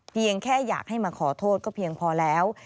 เพียงแค่อยากให้มาขอโทษก็เพียงพอแล้ว